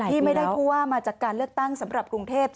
ที่ไม่ได้ผู้ว่ามาจากการเลือกตั้งสำหรับกรุงเทพ